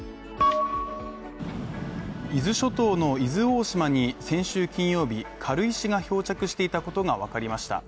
伊豆諸島の伊豆大島に、先週金曜日軽石が漂着していたことがわかりました。